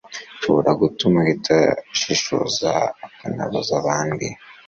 ushobora gutuma ahita ashishoza akanabaza abandi